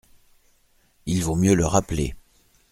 Il vaut mieux le rappeler.